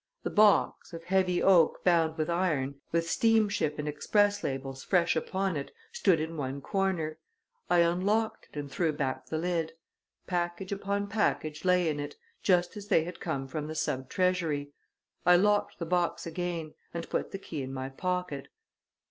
The box, of heavy oak bound with iron, with steamship and express labels fresh upon it, stood in one corner. I unlocked it and threw back the lid. Package upon package lay in it, just as they had come from the sub treasury. I locked the box again, and put the key in my pocket.